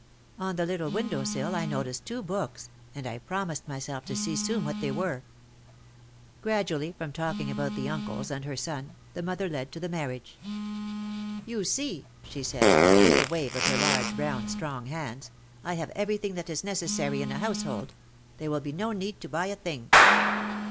On the little window sill I noticed two books, and I promised myself to see soon what they were. Gradually, from talking about the uncles and her son, the mother led to the marriage. "You see," she said, with a wave of her large, brown strong hands, "I have everything that is necessary in a household. There will be no need to buy a thing."